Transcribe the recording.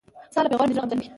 ستا له پېغوره مې زړه غمجن دی.